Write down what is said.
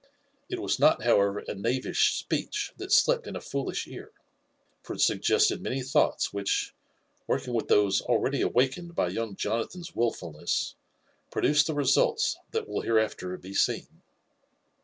It was np^, however, a knavish ^>eech that slept in a foolish ear ; for it suggested inauy thoughts which, working with tjiose already awakened >y young Joaatbao'^ wilfulness, produced the results that will bereaQpr 1^ ieen.